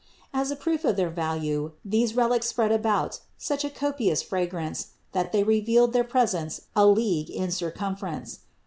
As a proof of their value these relics spread about such a copious fragrance that they revealed their presence a league in circumference.